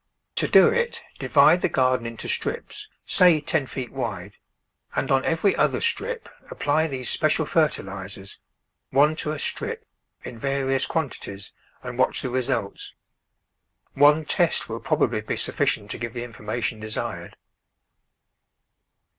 To do it divide the garden into strips, say ten feet wide, and on every other strip apply these special fertilisers, one to a strip, in various quantities and watch the results. One test will probably be suffi cient to give the informiation desired.